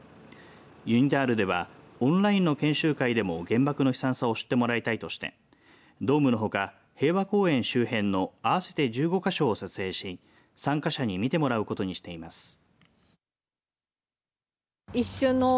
ユニタールではオンラインの研修会でも原爆の悲惨さを知ってもらいたいとしてドームのほか、平和公園周辺の合わせて１５か所を撮影し参加者に見てもらうことにしています。